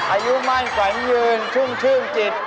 อายุมั่นขวัญยืนชุ่มชื่นจิต